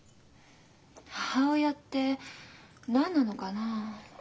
母親って何なのかな？